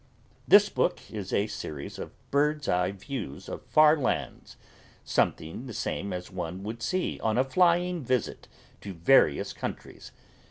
This book is a series of Birdseye Views of Far Lands something the same as one would see on a flying visit to various countries.